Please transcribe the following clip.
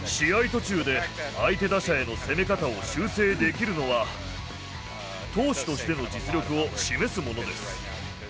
途中で、相手打者への攻め方を修正できるのは、投手としての実力を示すものです。